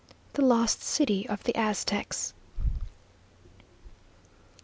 THE LOST CITY OF THE AZTECS.